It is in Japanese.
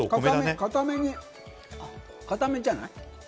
かためじゃない？